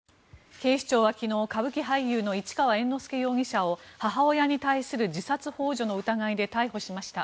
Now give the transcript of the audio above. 警視庁は昨日歌舞伎俳優の市川猿之助容疑者を母親に対する自殺ほう助の疑いで逮捕しました。